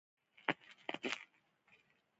د اور او اوبو يارانه ده.